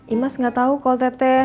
imas gak tau kok tete